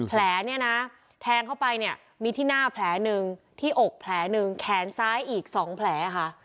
แผลเนี่ยนะแทงเข้าไปเนี่ยมีที่หน้าแผลหนึ่งที่อกแผลหนึ่งแขนซ้ายอีก๒แผลค่ะ